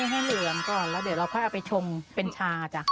ให้เหลืองก่อนเดี๋ยวเราก็เอาไปชงเป็นชาค่ะ